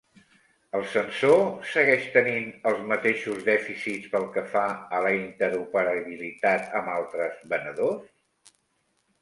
El sensor segueix tenint els mateixos dèficits pel que fa a la interoperabilitat amb altres venedors?